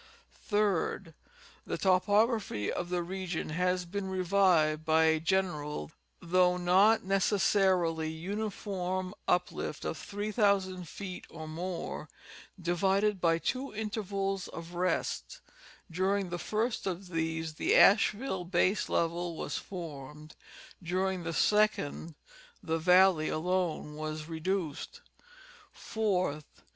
3d. The topography of the region has been revived by a gen eral, though not necessarily uniform, uplift of 3,000 feet or more, divided by two intervals of rest ; during the first of these the Asheville base level was formed ; during the second, the valley alone was reduced. 4th.